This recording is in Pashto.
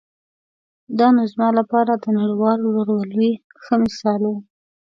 دا نو زما لپاره د نړیوال ورورولۍ ښه مثال و.